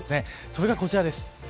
それがこちらです。